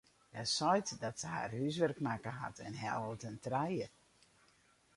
Hja seit dat se har húswurk makke hat en hellet in trije.